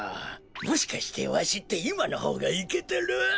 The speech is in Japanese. もしかしてわしっていまのほうがいけてる？